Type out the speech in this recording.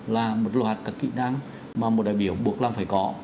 là một loạt các kỹ năng mà một đại biểu buộc làm phải có